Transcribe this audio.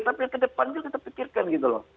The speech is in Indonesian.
tapi yang ke depan juga kita pikirkan gitu loh